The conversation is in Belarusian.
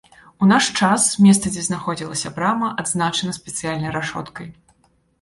У наш час, месца дзе знаходзілася брама адзначана спецыяльнай рашоткай.